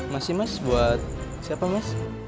masih mas buat siapa mas